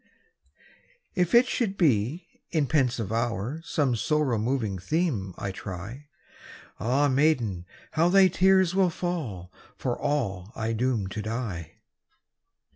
If it should be in pensive hour Some sorrow moving theme I try, Ah, maiden, how thy tears will fall, For all I doom to die!